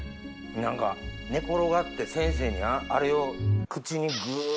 何か寝転がって先生にあれを口にグ。